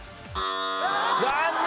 残念。